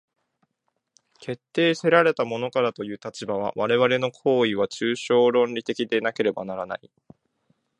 決定せられたものからという立場からは、我々の行為は抽象論理的でなければならない。